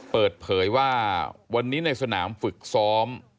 เปิดเผยว่าวันนี้ในสนามฝึกซ้อม